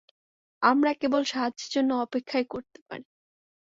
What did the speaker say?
আমরা কেবল সাহায্যের জন্য অপেক্ষাই করতে পারি!